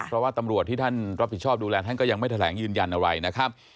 เพราะว่าตำรวจที่ท่านรับผิดชอบดูแลท่านก็ยังไม่แถลงยืนยันอะไรนะครับ